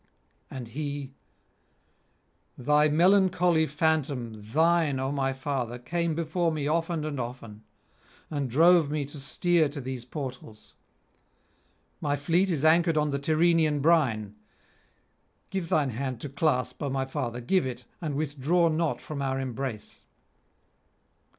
And he: 'Thy melancholy phantom, thine, O my father, came before me often and often, and drove me to steer to these portals. My fleet is anchored on the Tyrrhenian brine. Give thine hand to clasp, O my father, give it, and withdraw not from our embrace.'